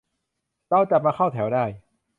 "เราจับมาเข้าแถวได้"